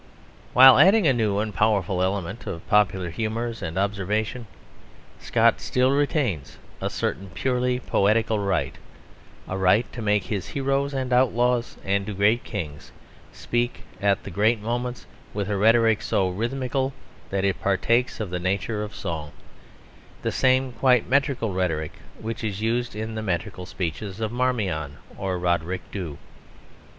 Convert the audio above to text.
While adding a new and powerful element of popular humours and observation, Scott still retains a certain purely poetical right a right to make his heroes and outlaws and great kings speak at the great moments with a rhetoric so rhythmical that it partakes of the nature of song, the same quite metrical rhetoric which is used in the metrical speeches of Marmion or Roderick Dhu.